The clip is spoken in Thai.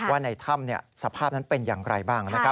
ว่าในถ้ำสภาพนั้นเป็นอย่างไรบ้าง